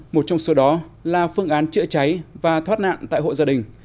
một trong số đó là phương án chữa cháy và thoát nạn tại hộ gia đình